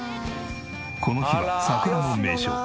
この日は桜の名所